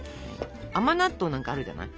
甘納豆なんかあるじゃない。